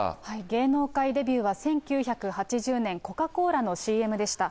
芸能界デビューは１９８０年、コカ・コーラのＣＭでした。